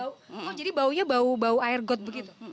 oh jadi baunya bau bau air got begitu